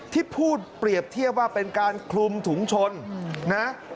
ที่พูดเปรียบเทียบว่าเป็นการคลุมถุงชนนะ